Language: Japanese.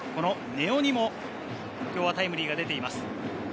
根尾にも今日はタイムリーが出ています。